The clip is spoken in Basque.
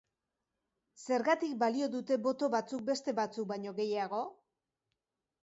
Zergatik balio dute boto batzuk beste batzuk baino gehiago?